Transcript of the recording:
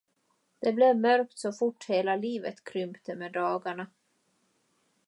Det blev mörkt så fort, hela livet krympte med dagarna.